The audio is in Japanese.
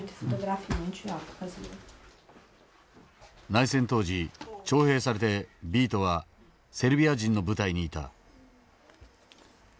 内戦当時徴兵されてヴィートはセルビア人の部隊にいた。